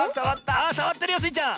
あっさわってるよスイちゃん！